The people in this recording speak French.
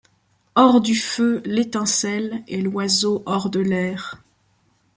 Hors du feu l’étincelle et l’oiseau hors de l’air ;